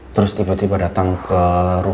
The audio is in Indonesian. terus tiba tiba datang ke rumah